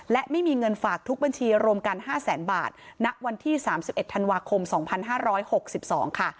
และไม่มีเงินฝากทุกบัญชีรวมกันห้าแสนบาทณวันที่สามสิบเอ็ดธันวาคมสองพันห้าร้อยหกสิบสองค่ะ